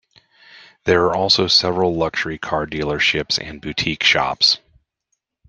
There are also several luxury car dealerships and boutique shops.